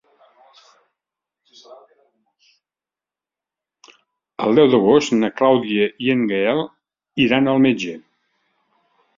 El deu d'agost na Clàudia i en Gaël iran al metge.